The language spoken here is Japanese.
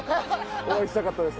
お会いしたかったです。